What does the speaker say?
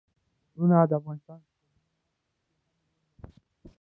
غرونه د افغانستان په طبیعت کې مهم رول لري.